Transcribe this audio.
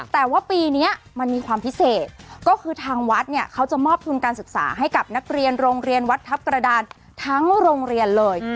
แต่ว่าปีนี้มันมีความพิเศษก็คือทางวัดเนี่ยเขาจะมอบทุนการศึกษาให้กับนักเรียนโรงเรียนวัดทัพกระดานทั้งโรงเรียนเลย